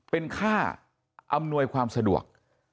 เป็นค่าอำนวยความสะดวก